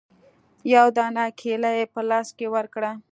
يوه دانه کېله يې په لاس کښې ورکړه.